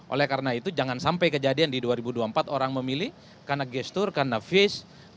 oleh karena itu jangan sampai kejadian di dua ribu dua puluh empat orang memilih karena gestur karena face